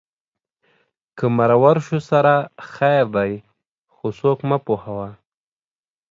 که مرور شو سره خیر دی خو څوک مه پوهوه